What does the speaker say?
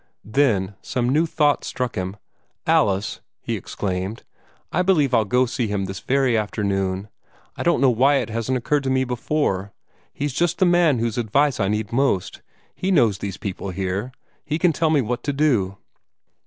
Then some new thought struck him. "Alice," he exclaimed, "I believe I'll go and see him this very afternoon. I don't know why it hasn't occurred to me before: he's just the man whose advice I need most. He knows these people here; he can tell me what to do."